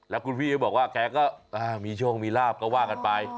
แล้วคุณพี่ก็บอกว่าแกก็มีโชคมีลาบก็ว่ากันไป